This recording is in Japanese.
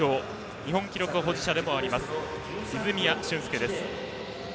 日本記録保持者になります泉谷駿介です。